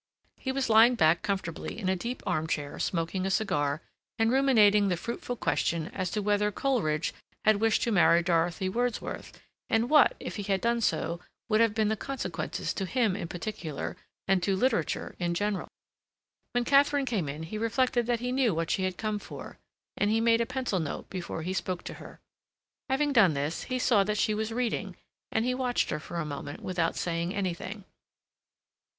He was lying back comfortably in a deep arm chair smoking a cigar, and ruminating the fruitful question as to whether Coleridge had wished to marry Dorothy Wordsworth, and what, if he had done so, would have been the consequences to him in particular, and to literature in general. When Katharine came in he reflected that he knew what she had come for, and he made a pencil note before he spoke to her. Having done this, he saw that she was reading, and he watched her for a moment without saying anything.